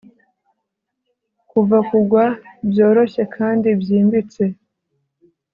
Kuva kugwa byoroshye kandi byimbitse